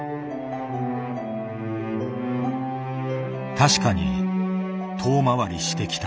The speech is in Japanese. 確かに遠回りしてきた。